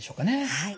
はい。